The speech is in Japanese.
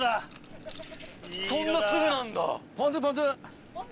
そんなすぐなんだ。